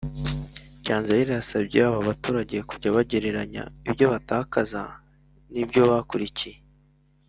Cyanzayire yasabye aba baturage kujya bagereranya ibyo batakaza n’ibyo bakurikiye